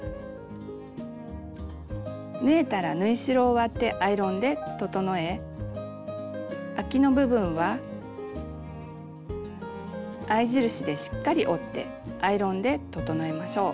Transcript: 縫えたら縫い代を割ってアイロンで整えあきの部分は合い印でしっかり折ってアイロンで整えましょう。